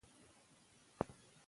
د ژوند مشکلات انسان غښتلی کوي.